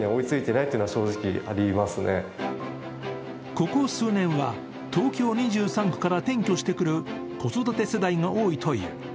ここ数年は東京２３区から転居してくる子育て世代が多いという。